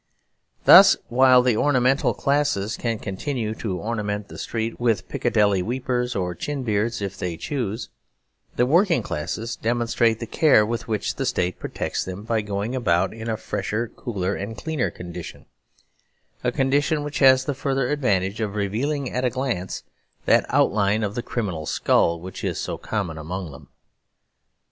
Thus, while the ornamental classes can continue to ornament the street with Piccadilly weepers or chin beards if they choose, the working classes demonstrate the care with which the State protects them by going about in a fresher, cooler, and cleaner condition; a condition which has the further advantage of revealing at a glance that outline of the criminal skull, which is so common among them.